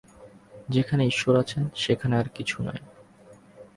যেখানে ঈশ্বর আছেন, সেখানে আর কিছু নাই।